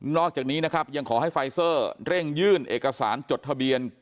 อกจากนี้นะครับยังขอให้ไฟเซอร์เร่งยื่นเอกสารจดทะเบียน